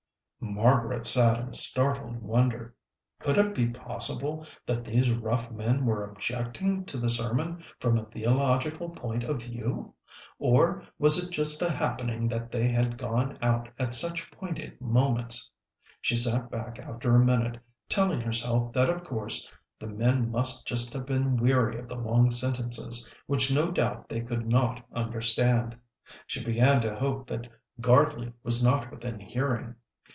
Margaret sat in startled wonder. Could it be possible that these rough men were objecting to the sermon from a theological point of view, or was it just a happening that they had gone out at such pointed moments. She sat back after a minute, telling herself that of course the men must just have been weary of the long sentences, which no doubt they could not understand. She began to hope that Gardley was not within hearing.